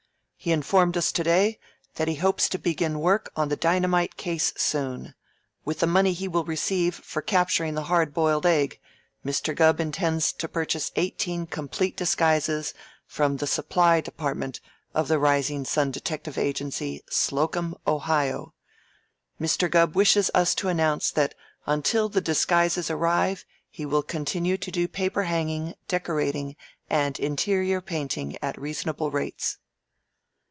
He informed us to day that he hopes to begin work on the dynamite case soon. With the money he will receive for capturing the Hard Boiled Egg, Mr. Gubb intends to purchase eighteen complete disguises from the Supply Department of the Rising Sun Detective Agency, Slocum, Ohio. Mr. Gubb wishes us to announce that until the disguises arrive he will continue to do paper hanging, decorating, and interior painting at reasonable rates."